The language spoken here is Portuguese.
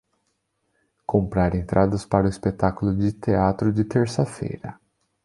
Comprar entradas para o espetáculo de teatro de terça-feira